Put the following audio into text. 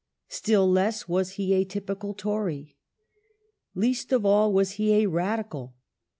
Still less was he a typical Tory. Least of all was he a Radical.